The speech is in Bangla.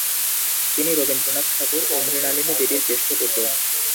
তিনি রবীন্দ্রনাথ ঠাকুর ও মৃণালিনী দেবীর জ্যেষ্ঠ পুত্র।